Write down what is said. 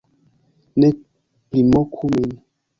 Ne primoku min